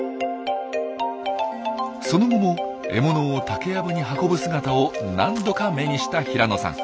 その後も獲物を竹やぶに運ぶ姿を何度か目にした平野さん。